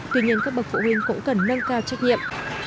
tuy nhiên các bậc phụ huynh cũng cần nâng cao trách nhiệm